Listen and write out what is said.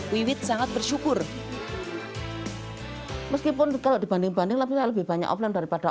wiwit sangat bersyukur meskipun kalau dibanding banding tapi lebih banyak offline daripada